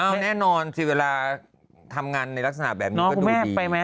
แน่นอนสิเวลาทำงานในลักษณะแบบนี้ก็ต้อง